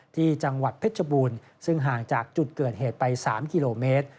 ที่จังหวัดเพชรบูรณ์ซึ่งห่างจากจุดเกิดเหตุไป๓กิโลเมตร